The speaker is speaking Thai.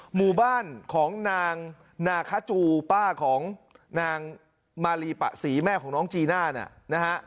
หมู่บ้านของนางนาคาจูป้าของนางมาลีปะศรีแม่ของน้องจีน่าเนี่ยนะฮะ